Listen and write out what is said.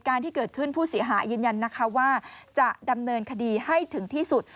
การที่เกิดขึ้นผู้เสียหายยืนยันนะคะว่าจะดำเนินคดีให้ถึงที่สุด